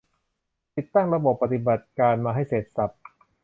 ติดตั้งระบบปฏิบัติการมาให้เสร็จสรรพ